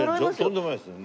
とんでもないですよ。